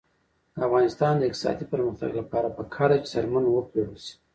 د افغانستان د اقتصادي پرمختګ لپاره پکار ده چې څرمن وپلورل شي.